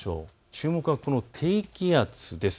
注目はこの低気圧です。